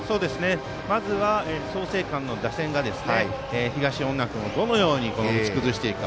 まずは、創成館の打線が東恩納君をどのように打ち崩していくか。